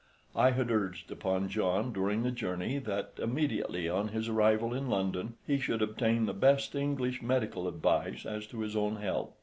I had urged upon John during the journey that immediately on his arrival in London he should obtain the best English medical advice as to his own health.